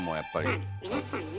まあ皆さんね。